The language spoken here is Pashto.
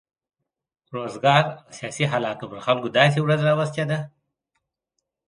روزګار او سیاسي حالاتو پر خلکو داسې ورځ راوستې ده.